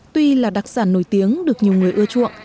tuy là đặc sản nổi tiếng được nhiều người ưa chuộng